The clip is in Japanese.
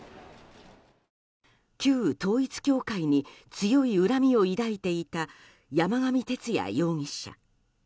旧統一教会に強い恨みを抱いていた山上徹也容疑者。